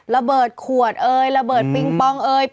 ระเบิดขวดเอยระเบิดปิงปองเอ่ย